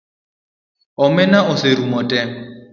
Omena oserumo te